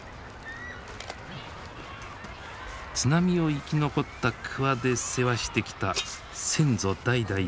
津波を生き残った鍬で世話してきた先祖代々の土。